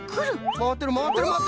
まわってるまわってるまわってる！